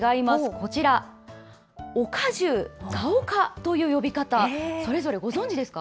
こちら、オカジュー、ガオカという呼び方、それぞれご存じですか？